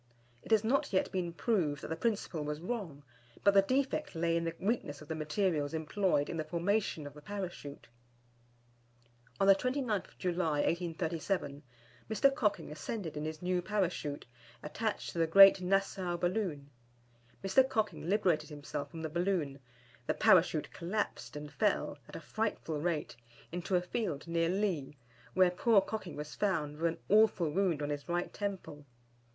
It has not yet been proved that the principle was wrong, but the defect lay in the weakness of the materials employed in the formation of the Parachute. On the 29th July, 1837, Mr. Cocking ascended in his new Parachute, attached to the Great Nassau Balloon. Mr. Cocking liberated himself from the balloon, the Parachute collapsed and fell, at a frightful rate, into a field near Lea, where poor Cocking was found with an awful wound on his right temple.